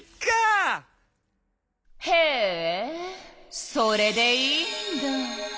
へえそれでいいんだ。